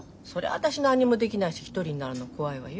私何にもできないし一人になるのは怖いわよ。